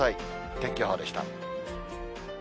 天気予報でした。